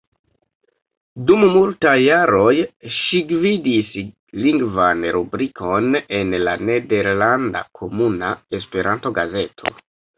Dum multaj jaroj ŝi gvidis lingvan rubrikon en la nederlanda Komuna Esperanto-gazeto.